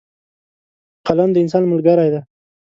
قلم د انسان ملګری دی.